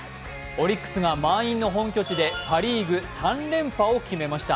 オリックスが満員の本拠地でパ・リーグ３連覇を決めました。